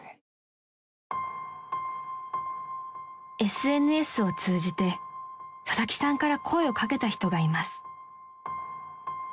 ［ＳＮＳを通じて佐々木さんから声を掛けた人がいます］